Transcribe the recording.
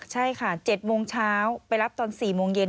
ใช่ค่ะ๗โมงเช้าไปรับตอน๔โมงเย็น